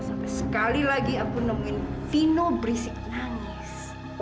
sampai sekali lagi aku nemuin vino berisik nangis